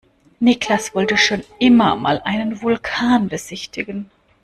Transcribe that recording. Niklas wollte schon immer mal einen Vulkan besichtigen.